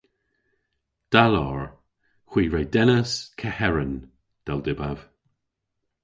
"Da lowr. Hwi re dennas keheren, del dybav."